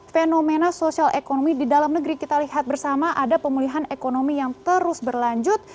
fenomena sosial ekonomi di dalam negeri kita lihat bersama ada pemulihan ekonomi yang terus berlanjut